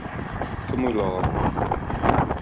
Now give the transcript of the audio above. Кем уйлаган...